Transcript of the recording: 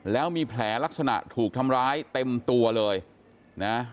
แล้วมีแผลลักษณะถูกทำร้ายเต็มตัวเลยนะ